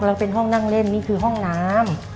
แล้วเป็นห้องนั่งเล่นนี่คือห้องน้ำ